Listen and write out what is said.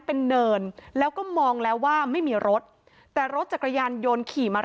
เป็นเนินแล้วก็มองแล้วว่าไม่มีรถแต่รถจักรยานยนต์ขี่มา